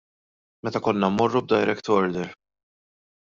Meta konna mmorru b'direct order.